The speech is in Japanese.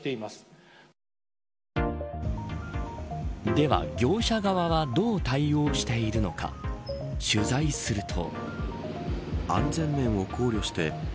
では、業者側はどう対応しているのか取材すると。